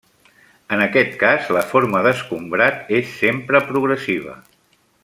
En aquest cas la forma d'escombrat és sempre progressiva.